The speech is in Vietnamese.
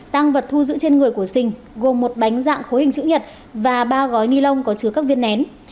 tăng vật thu giữ trên người của sình gồm một bánh dạng khối hình chữ nhật và ba gói ni lông có chứa các viên nén